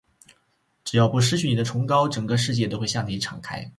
只要不失去你的崇高，整个世界都会向你敞开。